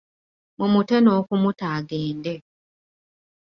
Mumute n'okumuta agende.